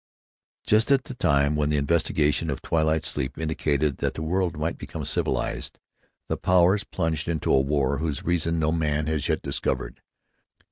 Just at the time when the investigation of Twilight Sleep indicated that the world might become civilized, the Powers plunged into a war whose reason no man has yet discovered.